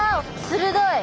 鋭い。